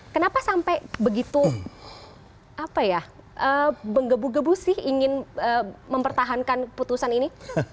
kenapa sampai begitu apa ya menggebu gebu sih ingin mempertahankan putusan ini